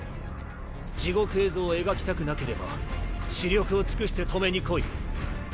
地獄絵図を描きたくなければ死力を尽くして止めに来い。